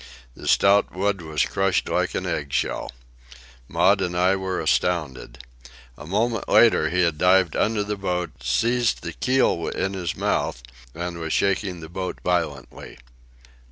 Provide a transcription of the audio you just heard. The stout wood was crushed like an egg shell. Maud and I were astounded. A moment later he had dived under the boat, seized the keel in his mouth, and was shaking the boat violently.